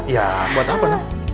ya buat apa nak